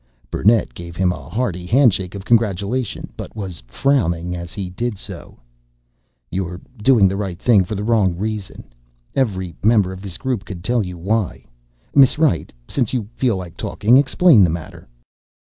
Burnett gave him a hearty handshake of congratulation ... but was frowning as he did so. "You're doing the right thing for the wrong reason. Every member of this group could tell you why. Miss Wright, since you feel like talking, explain the matter."